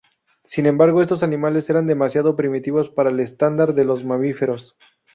Sin embargo, estos animales eran demasiado primitivos para el estándar de los mamíferos.